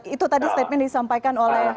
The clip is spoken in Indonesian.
itu tadi statement disampaikan oleh